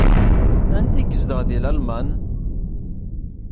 Anda ay yezdeɣ deg Lalman?